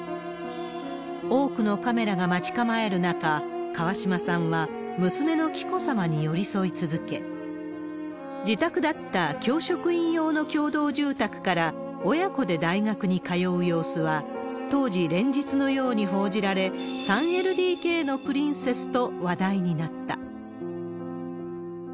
多くのカメラが待ち構える中、川嶋さんは、娘の紀子さまに寄り添い続け、自宅だった教職員用の共同住宅から、親子で大学に通う様子は、当時、連日のように報じられ、３ＬＤＫのプリンセスと話題になった。